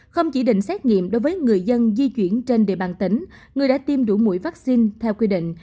không chỉ định xét nghiệm đối với người dân di chuyển trên địa bàn tỉnh người đã tiêm đủ mũi vaccine theo quy định